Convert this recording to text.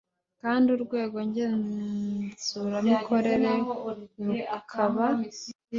kandi urwego ngenzuramikorere rukaba